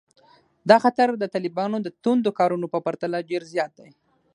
دا خطر د طالبانو د توندو کارونو په پرتله ډېر زیات دی